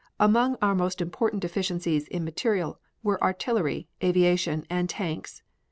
Among our most important deficiencies in material were artillery, aviation, and tanks.